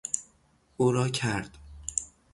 او را کرد.